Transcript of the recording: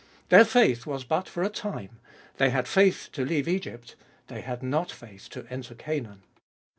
Their faith was but for a time : they had faith to leave Egypt ; they had not faith to enter Canaan.